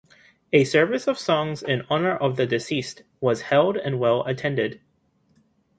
A service of songs in honour of the deceased was held and well attended.